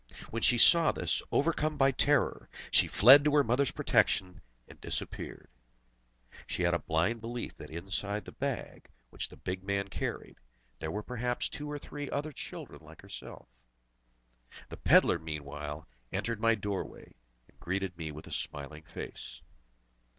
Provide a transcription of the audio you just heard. When she saw this, overcome by terror, she fled to her mother's protection, and disappeared. She had a blind belief that inside the bag, which the big man carried, there were perhaps two or three other children like herself. The pedlar meanwhile entered my doorway, and greeted me with a smiling face.